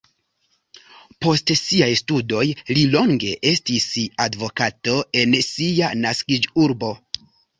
Post siaj studoj li longe estis advokato en sia naskiĝurbo.